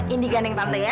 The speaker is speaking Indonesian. indi gandeng tante ya